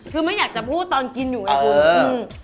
คือไม่อยากจะพูดตอนกินอยู่ไงคุณ